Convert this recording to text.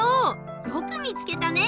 よく見つけたね。